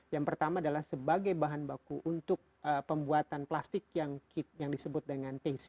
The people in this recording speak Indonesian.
yang pertama adalah sebagai bahan baku untuk pembuatan plastik yang disebut dengan pc